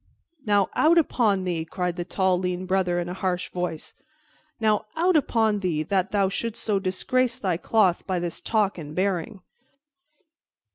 "Now, out upon thee," cried the tall lean Brother in a harsh voice, "now, out upon thee, that thou shouldst so disgrace thy cloth by this talk and bearing."